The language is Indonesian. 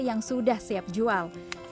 yang sudah selesai